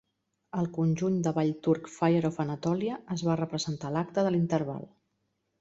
El conjunt de ball turc "Fire of Anatolia" es va representar a l'acte de l'interval.